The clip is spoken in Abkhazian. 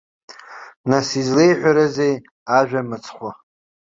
Нас излеиҳәарызеи ажәа мыцхәы?